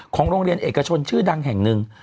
โรงเรียนเอกชนชื่อดังแห่งหนึ่ง